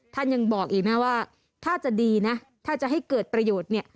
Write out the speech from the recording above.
ท่านยังบอกอีกนะว่าถ้าจะดีนะถ้าจะให้เกิดประโยชน์เนี่ย